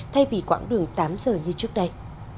thay vì quãng đường tám giờ như trước đây